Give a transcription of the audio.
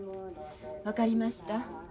分かりました。